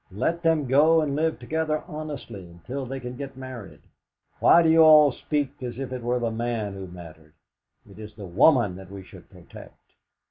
Let them go and live together honestly until they can be married. Why do you all speak as if it were the man who mattered? It is the woman that we should protect!"